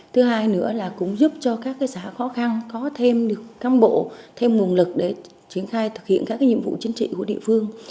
thứ hai nữa là cũng giúp cho các xã khó khăn có thêm được câm bộ thêm nguồn lực để triển khai thực hiện các nhiệm vụ chính trị của địa phương